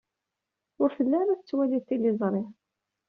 Ur telli ara tettwali tiliẓri.